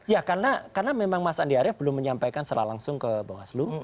ya karena memang mas andi arief belum menyampaikan secara langsung ke bawaslu